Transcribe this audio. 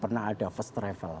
pernah ada first travel